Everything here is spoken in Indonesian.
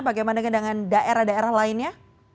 bagaimana dengan daerah daerah lainnya